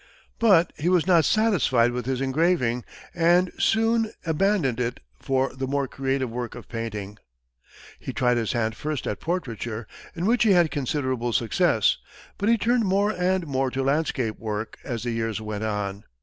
But he was not satisfied with engraving, and soon abandoned it for the more creative work of painting. He tried his hand first at portraiture, in which he had considerable success; but he turned more and more to landscape work as the years went on.